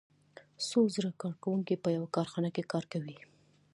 څو زره کارکوونکي په یوه کارخانه کې کار کوي